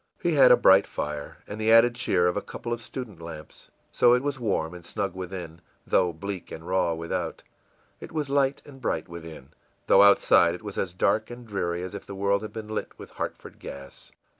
He had a bright fire and the added cheer of a couple of student lamps. So it was warm and snug within, though bleak and raw without; it was light and bright within, though outside it was as dark and dreary as if the world had been lit with Hartford gas.